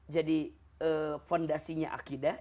jadi fondasinya akidah